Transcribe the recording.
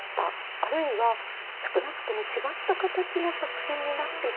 あるいは少なくとも違った形の作品になっていた。